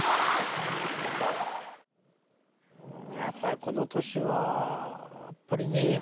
やっぱりこの年はやっぱりね